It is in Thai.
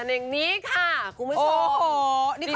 ดิฉันเองนี้ค่ะคุณคุณสุม